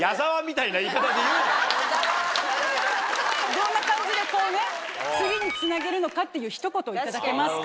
どんな感じで次につなげるのかっていう一言を頂けますか？